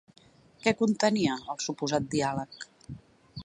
Què contenia el suposat diàleg?